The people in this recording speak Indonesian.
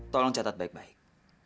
tolong catat baik baik